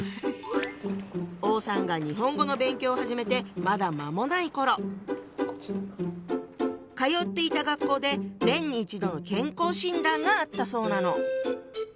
王さんが日本語の勉強を始めてまだ間もない頃通っていた学校で年に一度の健康診断があったそうなの。